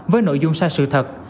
với nội dung sai sự thật